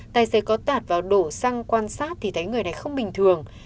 tài xế có tạt vào đổ xăng quan sát thì thấy người này không bình thường